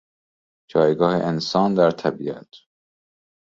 جایگاه انسان در طبیعت